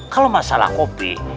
kalau masalah kopi